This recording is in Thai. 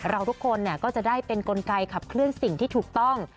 เราทุกคนก็จะได้เป็นกลไกขับเคลื่อนสิ่งที่ถูกต้อง